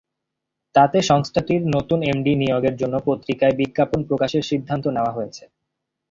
তাতে সংস্থাটির নতুন এমডি নিয়োগের জন্য পত্রিকায় বিজ্ঞাপন প্রকাশের সিদ্ধান্ত নেওয়া হয়েছে।